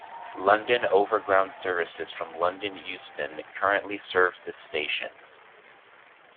London Overground services from London Euston currently serve this station.